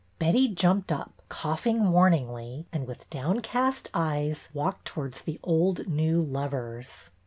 Betty jumped up, coughing warningly, and with downcast eyes walked towards the old new lovers.